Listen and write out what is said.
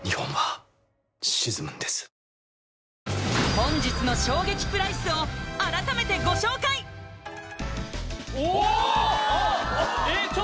本日の衝撃プライスを改めてご紹介おおえっ